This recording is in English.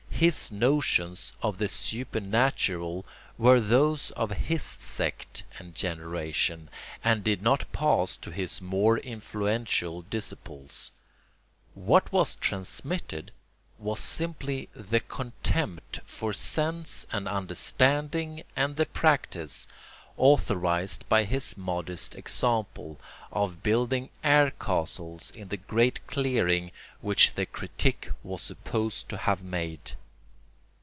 His notions of the supernatural were those of his sect and generation, and did not pass to his more influential disciples: what was transmitted was simply the contempt for sense and understanding and the practice, authorised by his modest example, of building air castles in the great clearing which the Critique was supposed to have made.